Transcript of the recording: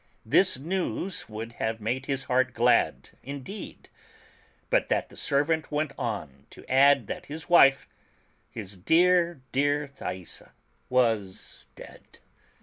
This news would have made his heart glad indeed, but that the servant went on to add that his wife — his dear, dear Thaisa — was dead.